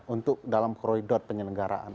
untuk dalam kroidot penyelenggaraan